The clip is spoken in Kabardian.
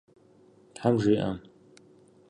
Тхьэм жиӏэ!